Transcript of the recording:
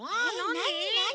なになに？